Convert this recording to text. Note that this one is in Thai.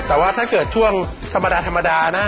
แต่ว่าถ้าเกิดช่วงธรรมดาธรรมดานะ